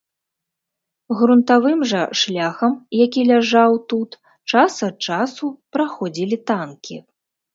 Грунтавым жа шляхам, які ляжаў тут, час ад часу праходзілі танкі.